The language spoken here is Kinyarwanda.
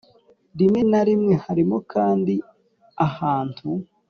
Rimwe na rimwe harimo kandi ahantu